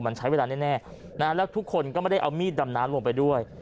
มันใช้เวลาแน่แล้วทุกคนก็ไม่ได้เอามีดดำน้ำลงไปด้วย